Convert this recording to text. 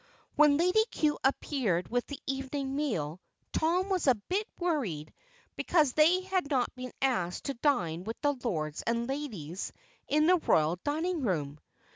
When Lady Cue appeared with the evening meal, Tom was a bit worried because they had not been asked to dine with the Lords and Ladies in the Royal Dining Room.